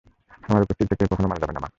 আমার উপস্থিতিতে কেউ কখনো মারা যাবে না, মা।